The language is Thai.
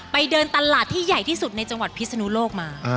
เดินตลาดที่ใหญ่ที่สุดในจังหวัดพิศนุโลกมา